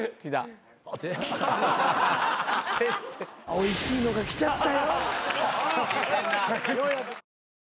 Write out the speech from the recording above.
おいしいのが来ちゃったよ。